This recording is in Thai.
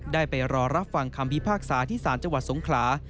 ได้ไปรอรับฟังคำพิพากษาที่สารจสงคลา